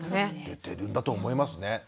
出てるんだと思いますね。